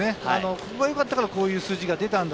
ここがよかったから、こういう数字が出た。